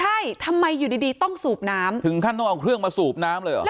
ใช่ทำไมอยู่ดีดีต้องสูบน้ำถึงขั้นต้องเอาเครื่องมาสูบน้ำเลยเหรอ